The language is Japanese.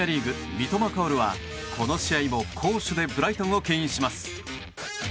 三笘薫は、この試合も攻守でブライトンを牽引します。